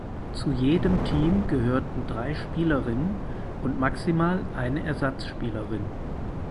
Zu jedem Team gehörten drei Spielerinnen und maximal eine Ersatzspielerin.